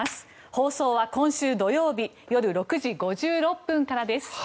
放送は今週土曜日夜６時５６分からです。